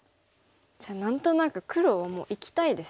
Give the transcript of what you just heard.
じゃあ何となく黒はもう生きたいですよね。